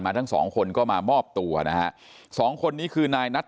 ทั้งสองคนก็มามอบตัวนะฮะสองคนนี้คือนายนัท